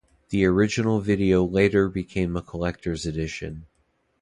The original video later became a collector's edition.